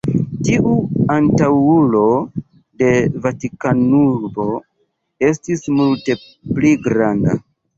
Tiu antaŭulo de Vatikanurbo estis multe pli granda.